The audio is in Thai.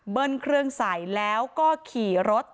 เบิ้ลเครื่องใสแล้วก็ขี่รถ